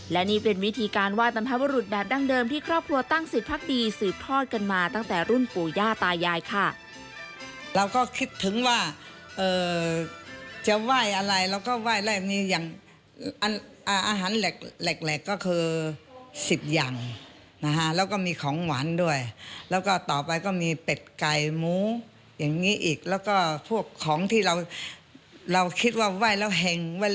และนี่เป็นวิธีการไหว้บรรพบรุษแบบดั้งเดิมที่ครอบครัวตั้งสิทธิพักดีสืบทอดกันมาตั้งแต่รุ่นปู่ย่าตายายค่ะ